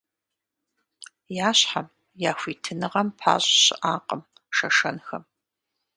Я щхьэм, я хуитыныгъэм пащӏ щыӏакъым шэшэнхэм.